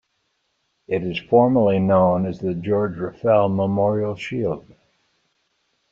It is formally known as the George Ruffell Memorial Shield.